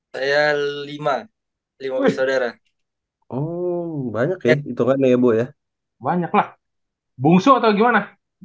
saya lima lima saudara oh banyak ya itu enggak ya bu ya banyaklah bungsu atau gimana